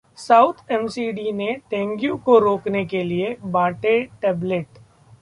south MCD ने dengue को रोकने के लिए बांटे टेबलेट